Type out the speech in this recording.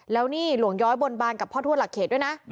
แล้วนี่หลวงย้อยบนบานกับพ่อทวดหลักเขตด้วยนะ